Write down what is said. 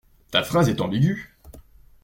Ta phrase est ambigüe.